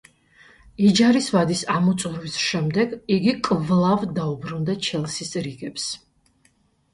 იჯარის ვადის ამოწურვის შემდეგ იგი კვლავ დაუბრუნდა ჩელსის რიგებს.